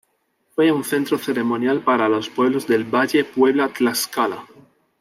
Fue un centro ceremonial para los pueblos del Valle Puebla-Tlaxcala.